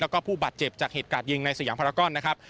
แล้วก็ผู้บาดเจ็บจากเหตุการณ์ยิงในสยามภารกรนะครับ